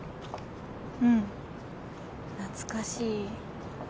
うん懐かしい。